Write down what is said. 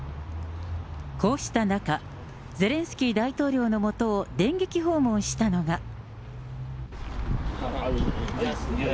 こうした中、ゼレンスキー大統領のもとを電撃訪問したのが。